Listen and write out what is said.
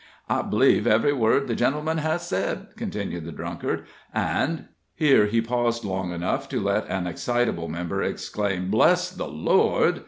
"I believe ev'ry word the gentleman has said," continued the drunkard, "and" here he paused long enough to let an excitable member exclaim "Bless the Lord!"